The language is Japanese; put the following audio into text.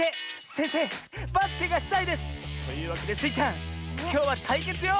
せんせいバスケがしたいです！というわけでスイちゃんきょうはたいけつよ！